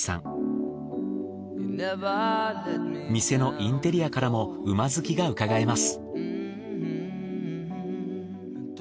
店のインテリアからも馬好きがうかがえます。